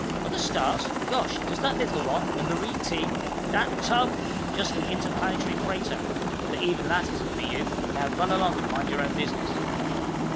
"Other stars? Gosh! Does that little one, the Marie T. " "That tub? Just an interplanetary freighter. But even that isn't for you. Now run along and mind your own business."